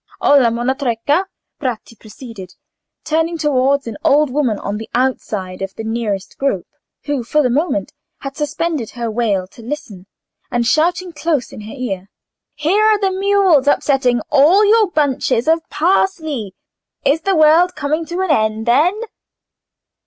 "Ola, Monna Trecca," Bratti proceeded, turning towards an old woman on the outside of the nearest group, who for the moment had suspended her wail to listen, and shouting close in her ear: "Here are the mules upsetting all your bunches of parsley: is the world coming to an end, then?"